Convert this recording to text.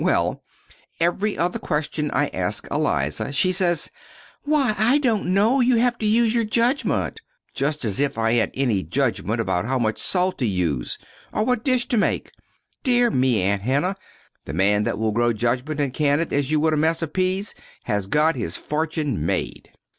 "Well, every other question I ask Eliza, she says: 'Why, I don't know; you have to use your judgment.' Just as if I had any judgment about how much salt to use, or what dish to take! Dear me, Aunt Hannah, the man that will grow judgment and can it as you would a mess of peas, has got his fortune made!"